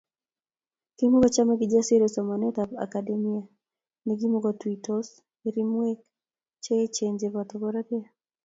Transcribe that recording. Kimakochomei Kijasiri somanetab akademia nekimukotuitos irimwek che eechen chebo pororiet